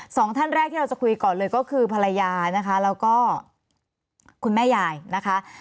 สองท่านแรกที่เราจะคุยก่อนเลยก็คือภรรยานะคะแล้วก็คุณแม่ยายนะคะ